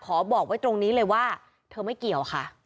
บอกไว้ตรงนี้เลยว่าเธอไม่เกี่ยวค่ะ